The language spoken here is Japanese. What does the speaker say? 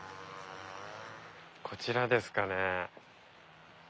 こちらですかね。